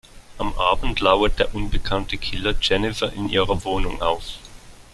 Am Abend lauert der unbekannte Killer Jennifer in ihrer Wohnung auf.